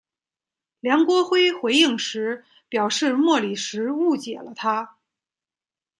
梁国辉回应时表示莫礼时误解了他。